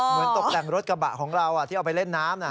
เหมือนตกแต่งรถกระบะของเราที่เอาไปเล่นน้ำน่ะ